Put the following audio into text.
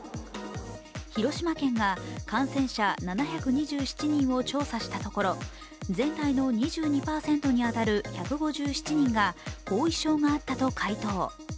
広島県が感染者７２７人を調査したところ全体の２２％に当たる１５７人が後遺症があったと回答。